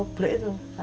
ibu mengalami kematian